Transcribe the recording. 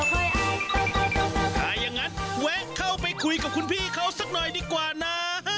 ถ้าอย่างนั้นแวะเข้าไปคุยกับคุณพี่เขาสักหน่อยดีกว่านะ